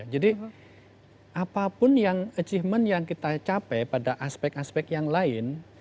jadi apapun yang achievement yang kita capai pada aspek aspek yang lain